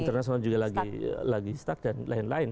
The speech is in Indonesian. internasional juga lagi stuck dan lain lain